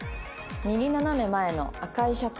「右斜め前の赤いシャツ」。